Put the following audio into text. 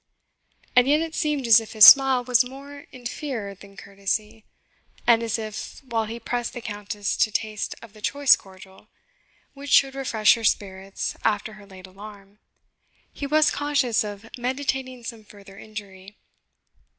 And yet it seemed as if his smile was more in fear than courtesy, and as if, while he pressed the Countess to taste of the choice cordial, which should refresh her spirits after her late alarm, he was conscious of meditating some further injury.